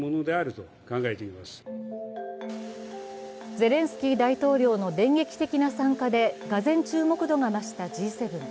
ゼレンスキー大統領の電撃的な参加で俄然、注目度が増したＧ７。